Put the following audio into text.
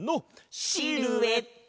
シルエット！